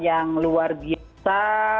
yang luar biasa